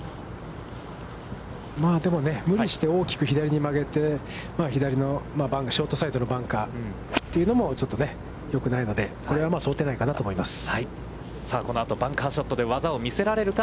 でもね、無理して大きく左に曲げて、左のショートサイドのバンカーというのもちょっとよくないので、これは想定内かなと思います。